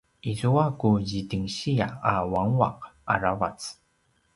izua ku zidingsiya a nguanguaq aravac